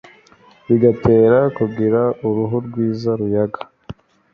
bigatera kugira uruhu rwiza ruyaga